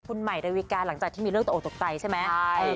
คุณใหม่ดาวิกาหลังจากที่มีเรื่องตกตกใจใช่ไหม